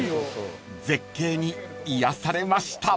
［絶景に癒やされました］